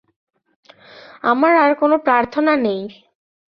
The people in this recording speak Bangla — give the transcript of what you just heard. আমার আর কোনো প্রার্থনা নেই।